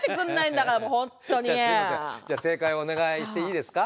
じゃあ正解をお願いしていいですか？